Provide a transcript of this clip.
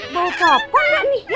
bau popcorn gak nih ya